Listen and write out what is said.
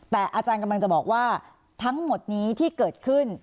แต่อาจารย์กำลังจะบอกว่าทั้งหมดนี้ที่เกิดขึ้น